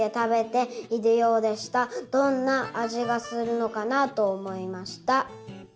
どんなあじがするのかなと思いました」。